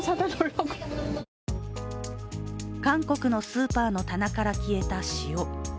韓国のスーパーの棚から消えた塩。